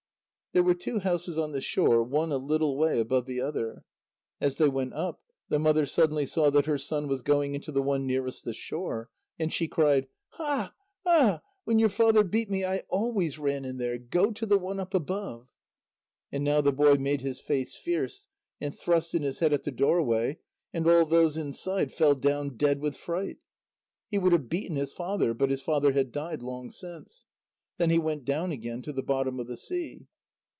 There were two houses on the shore, one a little way above the other. As they went up, the mother suddenly saw that her son was going into the one nearest the shore. And she cried: "Ha a; Ha a! When your father beat me, I always ran in there. Go to the one up above." And now the boy made his face fierce, and thrust in his head at the doorway, and all those inside fell down dead with fright. He would have beaten his father, but his father had died long since. Then he went down again to the bottom of the sea.